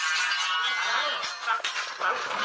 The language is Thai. เป็นผู้ชายอยู่ในวัยกลางคน